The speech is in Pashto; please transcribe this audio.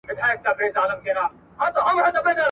ړوند ښوونکي به په ګڼ ځای کي اوږده کیسه ونه کړي.